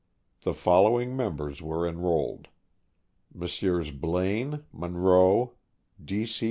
The following members were enrolled : Messrs. Blaine, Munro, D. C.